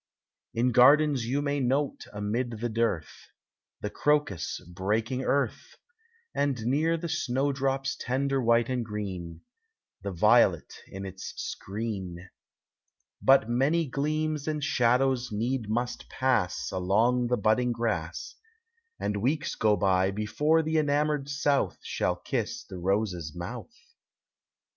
In gardens you may note amid the dearth. The crocus breaking earth ; And near the snowdrop's tender white and green. The violet in its screen. But many gleams and shadows need must pass Along the budding grass, And weeks go by, before the enamored South Shall kiss the rose's mouth.